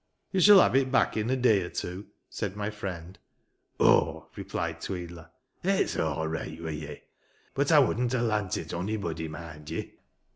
" Tou shall have it back in a day or two," said my friend. " Oh," replied Tweedler, "it's all reight wi' ye. But I wouldn't ha' lant it onybody, mind ye."